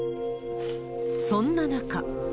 そんな中。